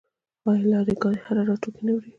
آیا لاری ګانې هره ورځ توکي نه وړي؟